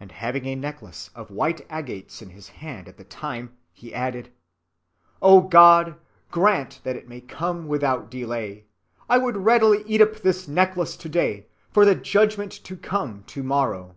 —And having a necklace of white agates in his hand at the time he added: "O God, grant that it may come without delay. I would readily eat up this necklace to‐day, for the Judgment to come to‐morrow."